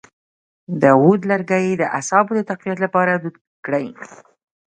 د عود لرګی د اعصابو د تقویت لپاره دود کړئ